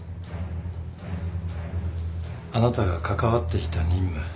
あなたが関わっていた任務